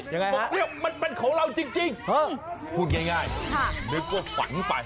ยังไงฮะมันเป็นของเราจริงพูดง่ายเป็นกรดฝังไปนะ